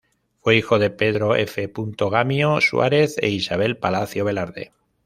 Fue hijo de Pedro F. Gamio Suárez e Isabel Palacio Velarde.